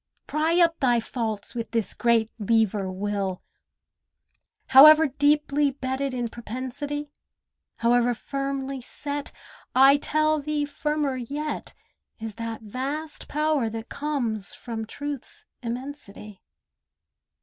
Pry up thy faults with this great lever, Will. However deeply bedded in propensity, However firmly set, I tell thee firmer yet Is that vast power that comes from Truth's immensity.